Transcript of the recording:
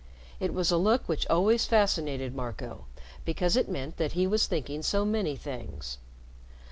It was a look which always fascinated Marco because it meant that he was thinking so many things.